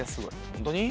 ホントに？